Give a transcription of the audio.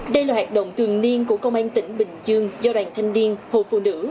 đây là hạt động thường niên của công an tỉnh bình dương do đoàn thanh niên hồ phụ nữ